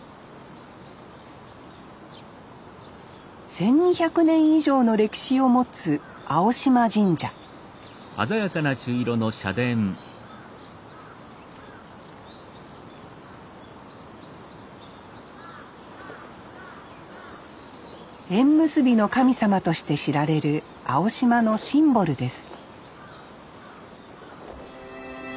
１，２００年以上の歴史を持つ青島神社縁結びの神様として知られる青島のシンボルです